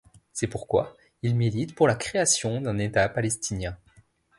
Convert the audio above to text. C'est pourquoi il milite pour la création d'un État palestinien.